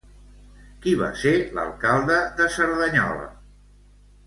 Qui va ser l'alcalde de Cerdanyola?